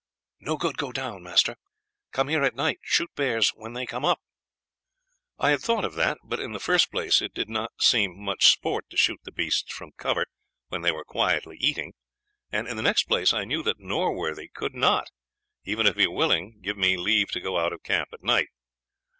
"'No good go down. Master come here at night, shoot bears when they come up.' "I had thought of that; but, in the first place, it did not seem much sport to shoot the beasts from cover when they were quietly eating, and, in the next place, I knew that Norworthy could not, even if he were willing, give me leave to go out of camp at night.